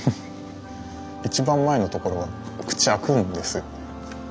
一番前のところは口開くんです。